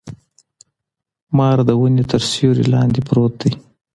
مار د ونې تر سیوري لاندي پروت دی.